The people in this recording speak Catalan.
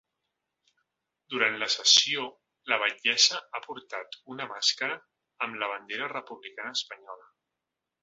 Durant la sessió, la batllessa ha portat una màscara amb la bandera republicana espanyola.